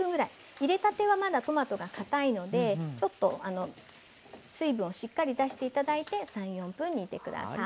入れたてはまだトマトがかたいので水分をしっかり出して頂いて３４分煮て下さい。